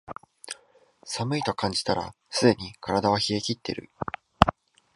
寒いと感じたらすでに体は冷えきってる